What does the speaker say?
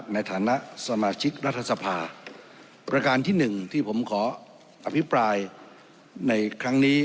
ในฐานะสมาชิกรัฐสภาประการที่หนึ่งที่ผมขออภิปรายในครั้งนี้